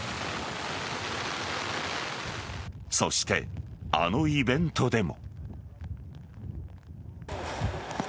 そして、あのイベントでも。